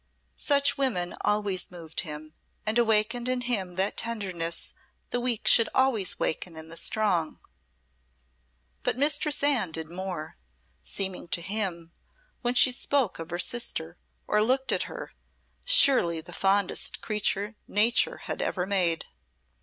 Such women always moved him and awakened in him that tenderness the weak should always waken in the strong. But Mistress Anne did more; seeming to him, when she spoke of her sister or looked at her, surely the fondest creature Nature had ever made.